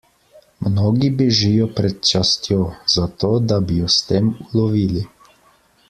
Mnogi bežijo pred častjo, zato da bi jo s tem ulovili.